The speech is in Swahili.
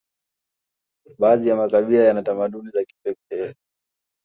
baadhi ya makabila yana tamaduni za kipekee